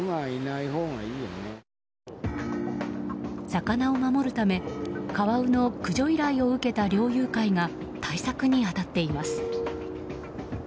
魚を守るためカワウの駆除依頼を受けた猟友会が対策に当たっています。